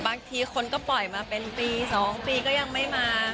บางทีคนก็ปล่อยมาเป็นปี๒ปีก็ยังไม่มา